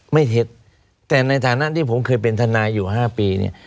เท็จแต่ในฐานะที่ผมเคยเป็นทนายอยู่๕ปีเนี่ย